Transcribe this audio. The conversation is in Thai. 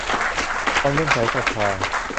ความเลื่อมใสศรัทธา